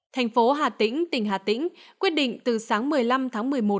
thành phố hà tĩnh tỉnh hà tĩnh quyết định từ sáng một mươi năm tháng một mươi một